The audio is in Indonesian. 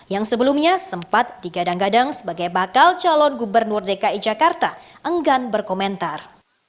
yang sebelumnya sempat digadang gadang sebagai bakal calon gubernur dki jakarta enggan berkomentar